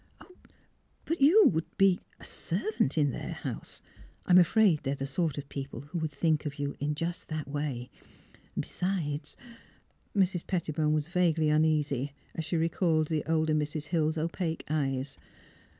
" But you would be a — servant in their house. I'm afraid they're the sort of people who would think of you in just that way; besides " Mrs. Pettibone was vaguely uneasy, as she re called the older Mrs. Hill's opaque eyes.